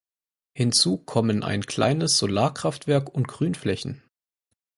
Hinzu kommen ein kleines Solarkraftwerk und Grünflächen.